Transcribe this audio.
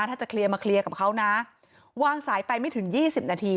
ถ้าจะเคลียร์มาเคลียร์กับเขานะวางสายไปไม่ถึง๒๐นาที